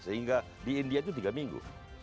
sehingga di india itu tiga minggu